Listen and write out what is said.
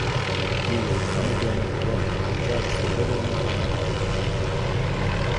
He will come again in glory to judge the living and the dead